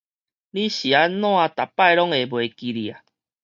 你是按怎逐擺攏會袂記得